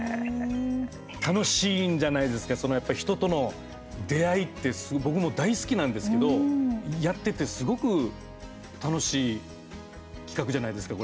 楽しいんじゃないですか人との出会いって僕も大好きなんですけどやっててすごく楽しい企画じゃないですか